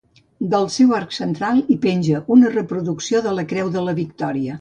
Del seu arc central hi penja una reproducció de la Creu de la Victòria.